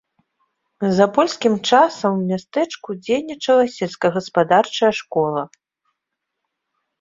За польскім часам у мястэчку дзейнічала сельскагаспадарчая школа.